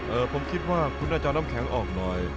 เออครับผมคิดว่าคุณอาจารย์อ้ำแข็งออกหน่อย